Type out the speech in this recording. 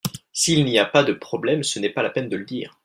S'il n'y a pas de problème ce n'est pas la peine de le dire.